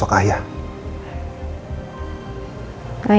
oke ya bud esperti